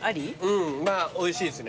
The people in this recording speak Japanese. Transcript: うんまあおいしいですね。